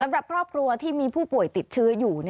สำหรับครอบครัวที่มีผู้ป่วยติดเชื้ออยู่